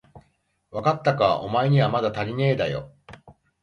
わかったか、おまえにはまだたりねえだよ。